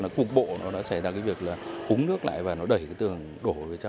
cục bộ xảy ra việc húng nước lại và đẩy tường đổ